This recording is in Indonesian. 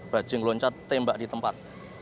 bajing loncat tembak di tempat